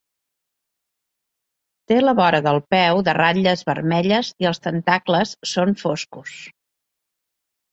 Té la vora del peu de ratlles vermelles i els tentacles són foscos.